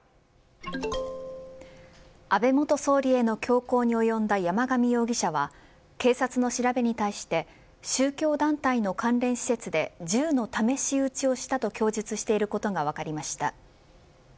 安倍元総理への凶行に及んだ山上容疑者は警察の調べに対して宗教団体の関連施設で銃の試し撃ちをしたと供述していることが分かりました。